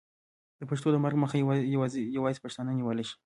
د پښتو د مرګ مخه یوازې پښتانه نیولی شي.